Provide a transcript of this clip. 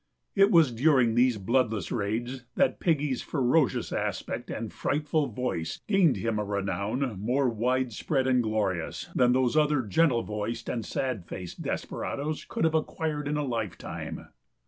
It was during these bloodless raids that Piggy's ferocious aspect and frightful voice gained him a renown more widespread and glorious than those other gentle voiced and sad faced desperadoes could have acquired in a lifetime.